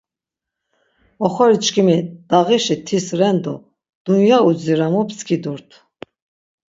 Oxoriçkimi ndağişi tis ren do dunya udziramu pskidurt.